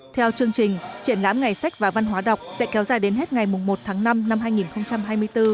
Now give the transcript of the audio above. theo chương trình triển lãm ngày sách và văn hóa đọc sẽ kéo dài đến hết ngày một tháng năm năm hai nghìn hai mươi bốn